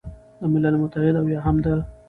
د ملل متحد او یا هم د